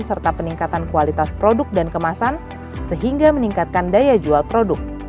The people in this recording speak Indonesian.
serta peningkatan kualitas produk dan kemasan sehingga meningkatkan daya jual produk